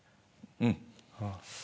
うん。